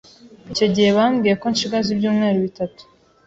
Icyo gihe bambwiye ko nshigaje ibyumweru bitatu